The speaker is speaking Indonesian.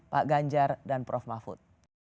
pak ganjar dan prof mahfud